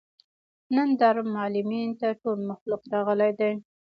نن دارالمعلمین ته ټول مخلوق راغلى دی.